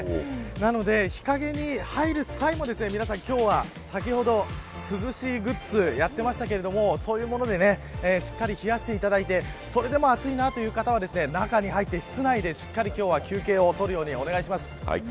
なので日陰に入る際も皆さん今日は先ほど、涼しいグッズやっていましたけどそういうものでしっかり冷やしていただいてそれでも暑いという方は中に入って室内でしっかり休憩を取るようにお願いします。